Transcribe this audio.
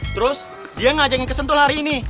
terus dia ngajakin kesentul hari ini